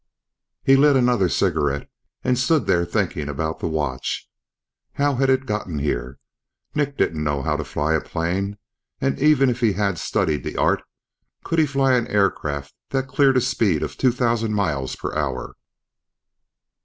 He lit another cigarette and stood there thinking about the watch. How had it gotten here? Nick didn't know how to fly a plane, and even if he had studied the art, could he fly an aircraft that cleared a speed of two thousand miles per hour?